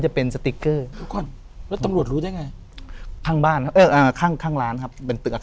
อเฮ่ยหลายปีช่างตอนนั้นจะเป็นสติ๊กเกอร์